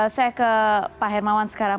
saya ke pak hermawan sekarang